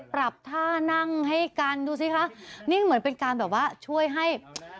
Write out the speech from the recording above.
ปรับท่านั่งให้กันดูสิคะนี่เหมือนเป็นการแบบว่าช่วยให้